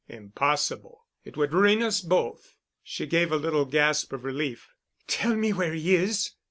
"Impossible. It would ruin us both." She gave a little gasp of relief. "Tell me where he is."